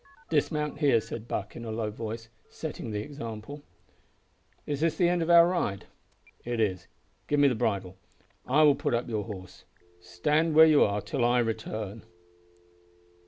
"Dismount here," said Buck in a low voice, setting the example. "Is this the end of our ride?" "It is. Give me the bridle. I will put up your horse. Stand where you are till I return."